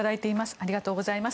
ありがとうございます。